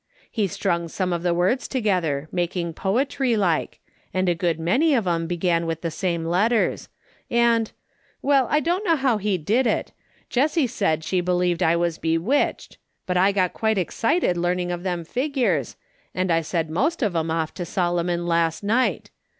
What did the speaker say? He strung some of the words together making poetry like, and a good many of 'em began with the same letters ; and — well, I don't know how he did it. Jessie said she believed I was bewitched, but I got A SUNDAY SCHOOL CONVENTION. 27 quite excited learning of them figures, and I said most of 'em off to Solomon last night.